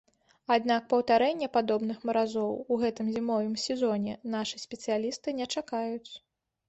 Аднак паўтарэння падобных маразоў у гэтым зімовым сезоне нашы спецыялісты не чакаюць.